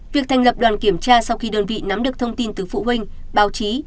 việc thành lập đoàn kiểm tra sau khi đơn vị nắm được thông tin từ phụ huynh báo chí